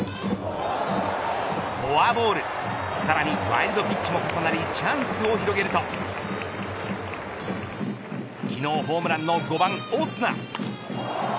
フォアボールさらにワイルドピッチも重なりチャンスを広げると昨日ホームランの５番、オスナ。